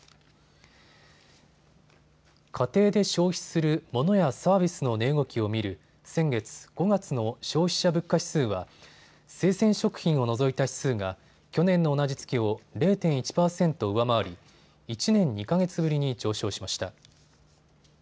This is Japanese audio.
家庭で消費するモノやサービスの値動きを見る先月５月の消費者物価指数は生鮮食品を除いた指数が去年の同じ月を０．１％上回り、１年２か月ぶりに上昇しました。